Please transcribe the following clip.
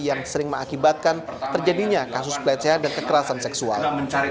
yang sering mengakibatkan terjadinya kasus pelecehan dan kekerasan seksual